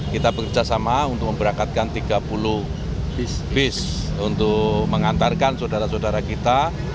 kita bekerjasama untuk memberangkatkan tiga puluh bis untuk mengantarkan saudara saudara kita